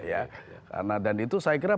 ya karena dan itu saya kira